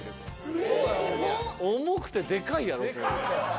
重くてでかいやろそれ。